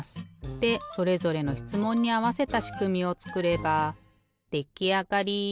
でそれぞれのしつもんにあわせたしくみをつくればできあがり！